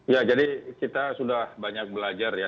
ya jadi kita sudah banyak belajar ya